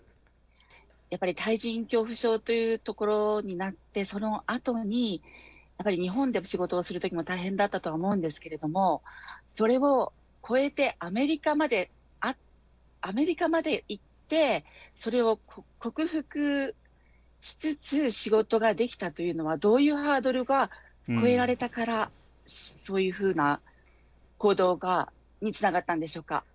やっぱり対人恐怖症というところになってそのあとに日本で仕事をする時も大変だったと思うんですけれどもそれを越えてアメリカまで行ってそれを克服しつつ仕事ができたというのはどういうハードルが越えられたからそういうふうな行動につながったんでしょうか？